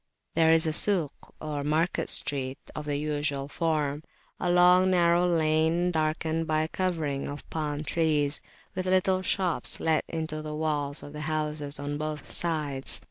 There is a "Suk," or market street of the usual form, a long narrow lane darkened by a covering of palm leaves, with little shops let into the walls of the houses on both sides.